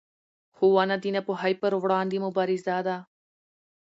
ښوونه د ناپوهۍ پر وړاندې مبارزه ده